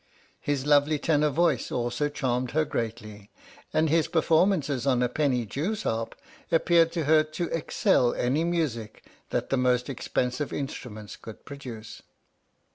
His lovely tenor voice also charmed her greatly, and his performances on a penny jews' harp appeared to her to excel any music that the most expensive instruments could produce.